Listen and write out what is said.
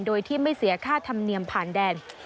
โดยที่ไม่เสียค่าธรรมเนียมผ่านแดน